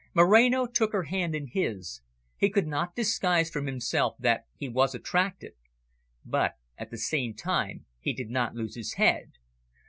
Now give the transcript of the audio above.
Moreno took her hand in his; he could not disguise from himself that he was attracted. But, at the same time, he did not lose his head.